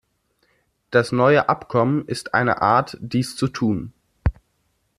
Das neue Abkommen ist eine Art, dies zu tun.